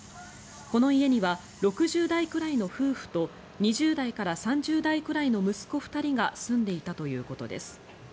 この家には６０代くらいの夫婦と２０代から３０代くらいの息子２人が住んでいたということです。